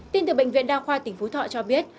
tin từ bệnh viện đa khoa tỉnh phú thọ cho biết